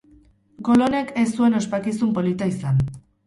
Gol honek ez zuen ospakizun polita izan.